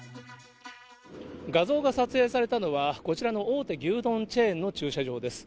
画像が撮影されたのは、こちらの大手牛丼チェーンの駐車場です。